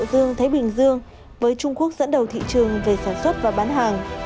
dương thái bình dương với trung quốc dẫn đầu thị trường về sản xuất và bán hàng